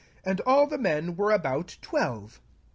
Now all the men were about velve.